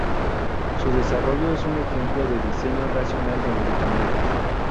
Su desarrollo es un ejemplo de diseño racional de medicamentos.